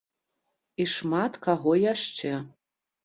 І шмат каго яшчэ.